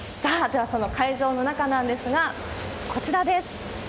では、その会場の中なんですが、こちらです。